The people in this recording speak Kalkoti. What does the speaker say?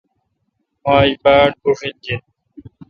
مہ آج باڑ بشیل جیت۔